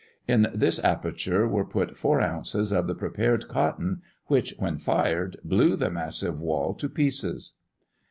In this aperture were put four ounces of the prepared cotton, which, when fired, blew the massive wall to pieces.